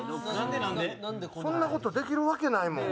こんなことできるわけないもん。